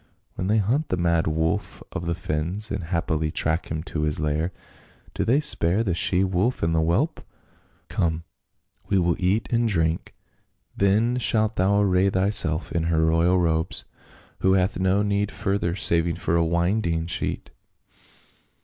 When they hunt the mad wolf of the fens and haply track him to his lair, do they spare the she wolf and the whelp ? Come, we will eat and drink, then shalt thou array thyself in her royal robes — who hath no need further save for a winding sheet."